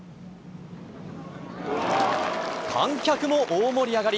観客も大盛り上がり。